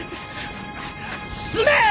進め！